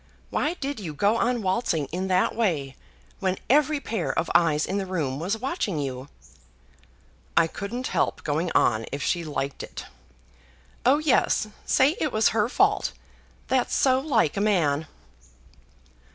Why did you go on waltzing in that way when every pair of eyes in the room was watching you?" "I couldn't help going on, if she liked it." "Oh, yes, say it was her fault. That's so like a man!"